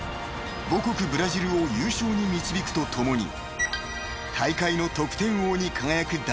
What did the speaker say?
［母国ブラジルを優勝に導くとともに大会の得点王に輝く大活躍］